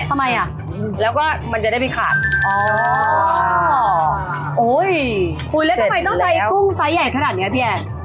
ทำไมอ่ะแล้วก็มันจะได้ไปขาดอ๋อโอ้ยอุ้ยแล้วทำไมต้องใช้กุ้งไซส์ใหญ่ขนาดเนี้ยพี่แอน